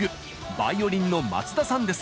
バイオリンの松田さんです。